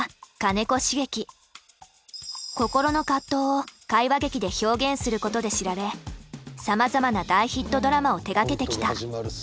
心の葛藤を会話劇で表現することで知られさまざまな大ヒットドラマを手がけてきた。